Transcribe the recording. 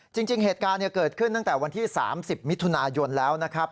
จริงเหตุการณ์เกิดขึ้นตั้งแต่วันที่๓๐มิถุนายนแล้วนะครับ